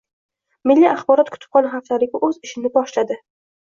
Milliy axborot-kutubxona haftaligi o‘z ishini boshlading